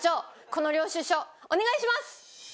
この領収書お願いします！